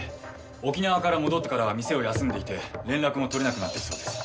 沖縄から戻ってからは店を休んでいて連絡も取れなくなってるそうです。